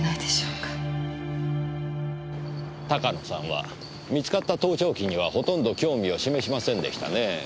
鷹野さんは見つかった盗聴器にはほとんど興味を示しませんでしたねぇ。